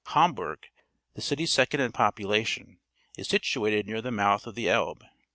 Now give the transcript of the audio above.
Hamburg, the city second in population, is situated near the mouth_ of the Elb e.